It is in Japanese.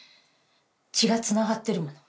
血が繋がってるもの。